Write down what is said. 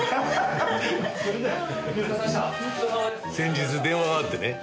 先日電話があってね。